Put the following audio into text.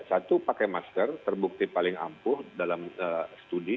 satu pakai masker terbukti paling ampuh dalam studi